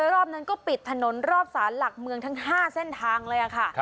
รอบนั้นก็ปิดถนนรอบสารหลักเมืองทั้ง๕เส้นทางเลยค่ะ